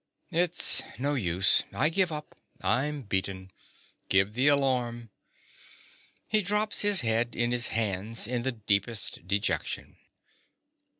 _) It's no use: I give up: I'm beaten. Give the alarm. (_He drops his head in his hands in the deepest dejection.